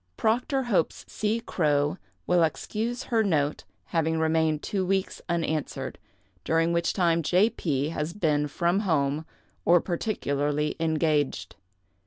Proctor hopes C. Crowe will excuse her note having remained two weeks unanswered, during which time J. P. has been from home, or particularly engaged.